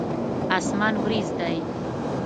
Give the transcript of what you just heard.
اسمان وريځ دی.